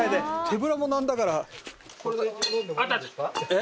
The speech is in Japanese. え？